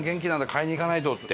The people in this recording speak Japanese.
買いに行かないとって。